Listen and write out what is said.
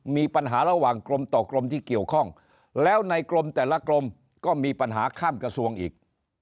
มีปัญหาระหว่างกรมต่อกรมที่เกี่ยวข้องแล้วในกรมแต่ละกรมก็มีปัญหาข้ามกระทรวงอีก